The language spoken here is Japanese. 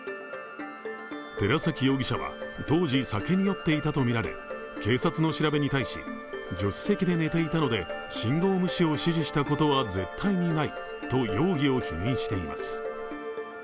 寺崎容疑者は当時、酒に酔っていたとみられ、警察の調べに対し、助手席で寝ていたので信号無視を指示したことは絶対にないと容疑を否認しています。